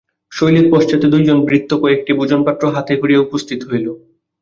শৈলের পশ্চাতে দুইজন ভৃত্য কয়েকটি ভোজনপাত্র হাতে করিয়া উপস্থিত হইল।